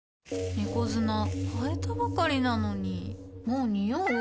猫砂替えたばかりなのにもうニオう？